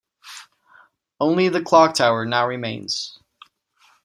Only the clock tower now remains.